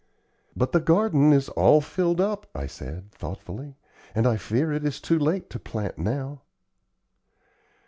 "But the garden is all filled up," I said, thoughtfully; "and I fear it is too late to plant now."